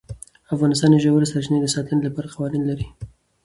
افغانستان د ژورې سرچینې د ساتنې لپاره قوانین لري.